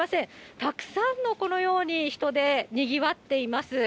たくさんのこのように人出、にぎわっています。